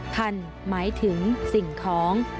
พันธ์หมายถึงสิ่งของ